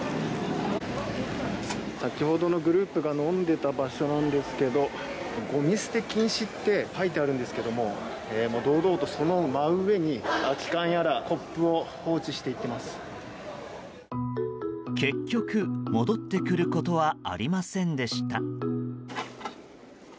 先ほどのグループが飲んでいた場所なんですけどもごみ捨て禁止って書いてあるんですけども堂々とその真上に空き缶やらコップを放置していっています。